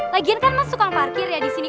lagian kan mas sukam parkir ya di sini